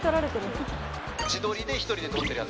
自撮りで１人で撮ってるやつ？